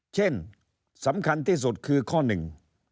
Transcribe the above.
เช่นสำคัญที่สุดคือข้อหนึ่ง